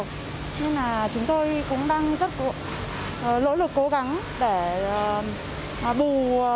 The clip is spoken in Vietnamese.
nhưng mà chúng tôi cũng đang rất lỗ lực cố gắng để bù